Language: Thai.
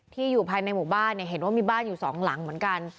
อยู่ภายในหมู่บ้านเนี่ยเห็นว่ามีบ้านอยู่สองหลังเหมือนกัน